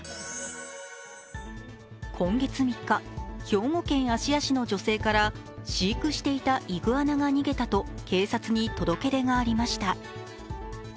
今月３日、兵庫県芦屋市の女性から飼育していたイグアナが逃げたと警察に届け出がありました。